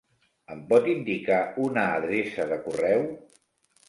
Em pot indicar una adreça de correu?